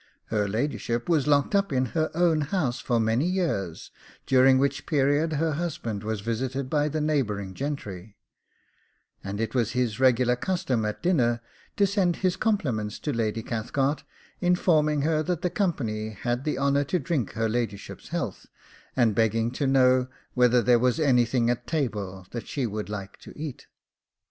Her ladyship was locked up in her own house for many years, during which period her husband was visited by the neighbouring gentry, and it was his regular custom at dinner to send his compliments to Lady Cathcart, informing her that the company had the honour to drink her ladyship's health, and begging to know whether there was anything at table that she would like to eat?